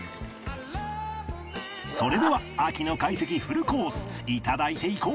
それでは秋の懐石フルコース頂いていこう！